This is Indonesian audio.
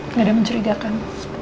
nggak ada mencurigakan